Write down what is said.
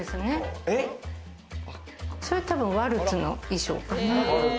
それ多分ワルツの衣装かな。